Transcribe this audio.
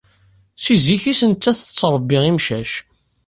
Si zik-is nettat tettṛebbi imcac